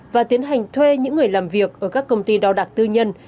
và tiến hành thuê những người làm việc ở các công ty đo đạc tư nhân